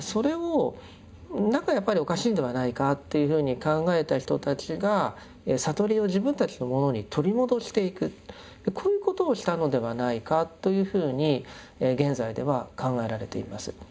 それを何かやっぱりおかしいんではないかというふうに考えた人たちがこういうことをしたのではないかというふうに現在では考えられています。